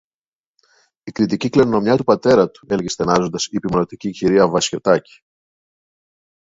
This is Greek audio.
Η κρητική κληρονομιά του πατέρα του, έλεγε στενάζοντας η υπομονητική κυρία Βασιωτάκη.